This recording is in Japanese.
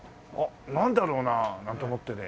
「なんだろうな？」なんて思ってね